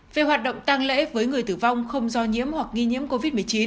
về hoạt động tăng lễ với người tử vong không do nhiễm hoặc nghi nhiễm covid một mươi chín